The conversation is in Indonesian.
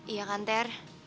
iya kan ter